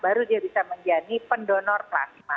baru dia bisa menjadi pendonor plasma